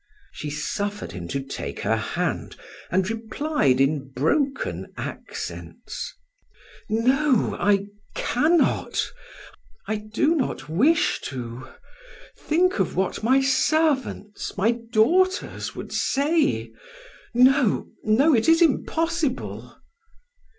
She suffered him to take her hand and replied in broken accents: "No, I cannot I do not wish to. Think of what my servants, my daughters, would say no no it is impossible."